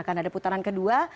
karena ada putaran kedua